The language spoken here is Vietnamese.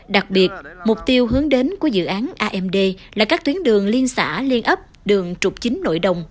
đặc biệt mục tiêu hướng đến của dự án amd là các tuyến đường liên xã liên ấp đường trục chính nội đồng